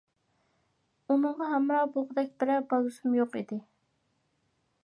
ئۇنىڭغا ھەمراھ بولغۇدەك بىرەر بالىسىمۇ يوق ئىدى.